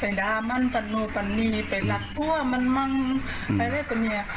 ไปรัดตัวมันมั๊งอะไรคะเงี้ยว่ามีไปรัดตัวมันมั๊งตั้งที่มี